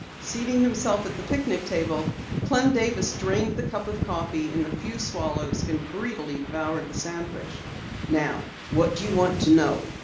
Seating himself at the picnic table, Clem Davis drained the cup of coffee in a few swallows, and greedily devoured a sandwich. "Now what do you want to know?"